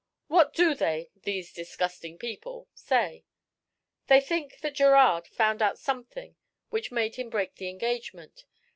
What do they these disgusting people say?" "They think that Gerard found out something which made him break the engagement.